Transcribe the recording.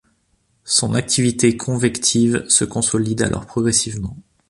Son activité convective se consolide alors progressivement.